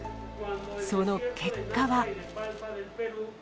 その結果は。